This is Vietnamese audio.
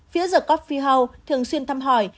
phía the coffee house thường xuyên thăm hỏi